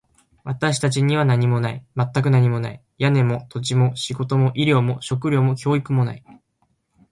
私たちには何もない。全く何もない。屋根も、土地も、仕事も、医療も、食料も、教育もない。